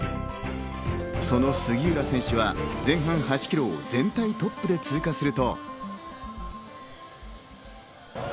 その杉浦選手は前半８ｋｍを全体トップで通過すると。